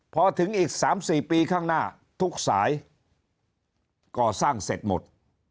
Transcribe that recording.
พอถึงอีก๓๔ปีข้างหน้าทุกสายก่อสร้างเสร็จหมด